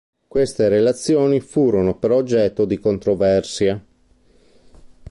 Queste relazioni furono però oggetto di controversia.